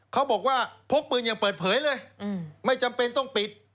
เขาบอกว่าพกปืนอย่างเปิดเผยเลยไม่จำเป็นต้องปิด